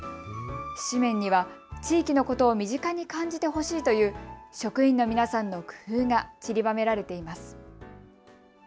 紙面には地域のことを身近に感じてほしいという職員の皆さんの工夫が散りばめられています。